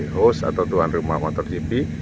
host atau tuan rumah motor gp